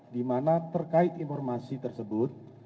di mana terkait informasi tersebut